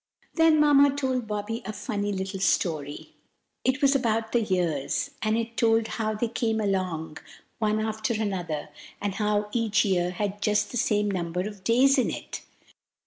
Then Mamma told Bobby a funny little story. It was about the years, and it told how they came along, one after another, and how each year had just the same number of days in it.